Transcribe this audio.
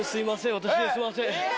私ですすいません。